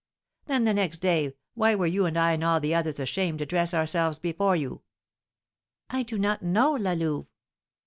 Then the next day, why were I and all the others ashamed to dress ourselves before you?" "I do not know, La Louve."